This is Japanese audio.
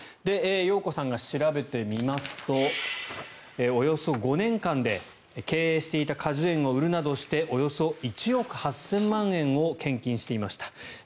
容子さんが調べてみますとおよそ５年間で経営していた果樹園を売るなどしておよそ１億８０００万円を献金していました。